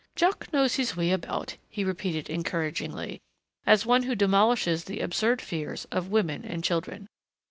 "Jack knows his way about," he repeated encouragingly, as one who demolishes the absurd fears of women and children.